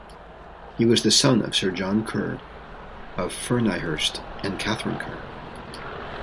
He was the son of Sir John Kerr of Ferniehirst and Katherine Kerr.